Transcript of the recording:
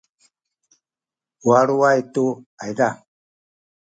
waluay tu ayza